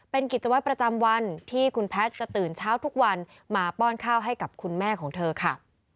เป็นกิจวัตรประจำวันที่คุณแพทย์จะตื่นเช้าทุกวันมาป้อนข้าวให้กับคุณแม่ของเธอค่ะ